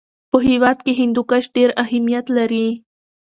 په هېواد کې هندوکش ډېر اهمیت لري.